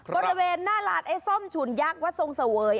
บริเวณหน้าลานไอ้ส้มฉุนยักษ์วัดทรงเสวย